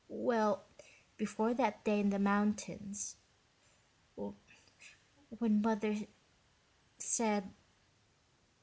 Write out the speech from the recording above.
well, before that day in the mountains ... when Mother said...."